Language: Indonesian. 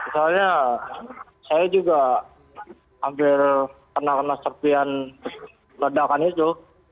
soalnya saya juga hampir kena kena serpian ledakan itu